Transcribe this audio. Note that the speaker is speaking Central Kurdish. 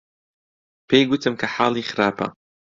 پێی گوتم کە حاڵی خراپە.